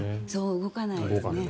動かないですね。